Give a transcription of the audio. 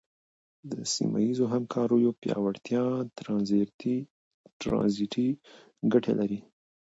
د سیمه ییزو همکاریو پیاوړتیا ترانزیټي ګټې لري.